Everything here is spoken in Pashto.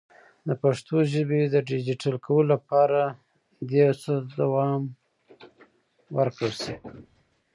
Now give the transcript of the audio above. د پښتو ژبې د ډیجیټل کولو لپاره دې هڅو ته دوام ورکړل شي.